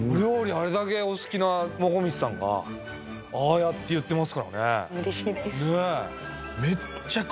あれだけお好きなもこみちさんがああやって言ってますからね嬉しいですねえ